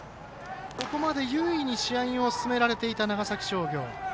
ここまで優位に試合を進められていた長崎商業。